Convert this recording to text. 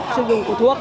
sử dụng của thuốc